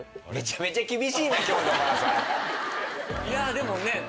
いやでもね。